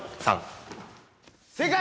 正解！